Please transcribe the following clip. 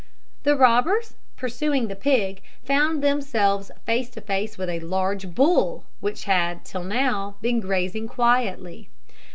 The robbers, pursuing the pig, found themselves face to face with a large bull, which had been till now grazing quietly.